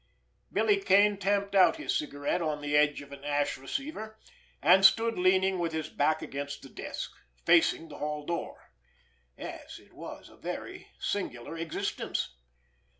Billy Kane tamped out his cigarette on the edge of an ash receiver, and stood leaning with his back against the desk, facing the hall door. Yes, it was a very singular existence!